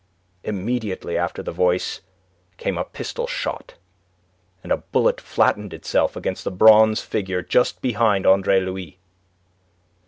Immediately after the voice came a pistol shot, and a bullet flattened itself against the bronze figure just behind Andre Louis.